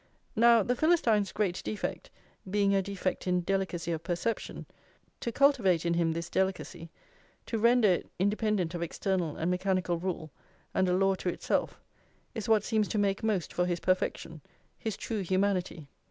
Now, the Philistine's great defect being a defect in delicacy of perception, to cultivate in him this delicacy, to render it independent of external and mechanical rule, and a law to itself, is what seems to make most for his perfection, his true humanity.